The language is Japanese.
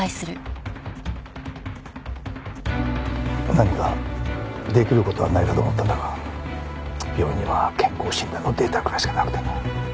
何かできる事はないかと思ったんだが病院には健康診断のデータぐらいしかなくてな。